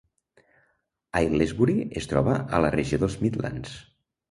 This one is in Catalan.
Aylesbury es troba a la regió dels Midlands.